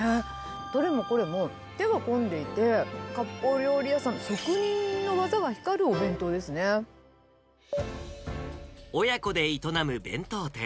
どれもこれも手が込んでいて、かっぽう料理屋さん、職人の技が親子で営む弁当店。